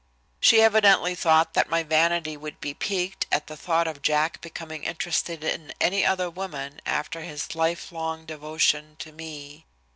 She evidently thought that my vanity would be piqued at the thought of Jack becoming interested in any other woman after his life long devotion to me.